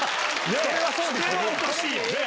否定はおかしいよね！